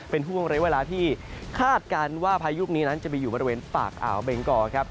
เป็นห่วงเรียกเวลาที่คาดการณ์ว่าพายุลูกนี้นั้นจะไปอยู่บริเวณปากอ่าวเบงกอครับ